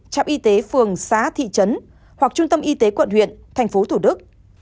trạm y tế phường xá thị trấn hoặc trung tâm y tế quận huyện tp thủ đức